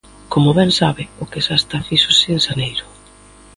Como ben sabe, o que xa está fíxose en xaneiro.